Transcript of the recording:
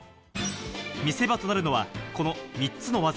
見せ場となるのはこの３つの技。